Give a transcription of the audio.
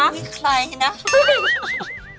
มีใครนะ